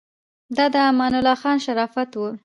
دا د امان الله خان شرافت و.